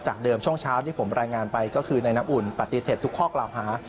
เดิมช่วงเช้าที่ผมรายงานไปก็คือในน้ำอุ่นปฏิเสธทุกข้อกล่าวหา